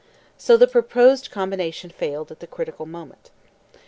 So the proposed combination failed at the critical moment.